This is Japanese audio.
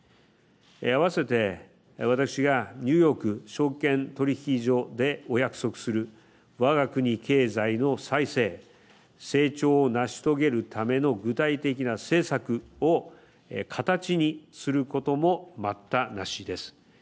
あわせて、私がニューヨーク証券取引所でお約束するわが国経済の再生、成長を成し遂げるための具体的な政策を形にすることも待ったなしです。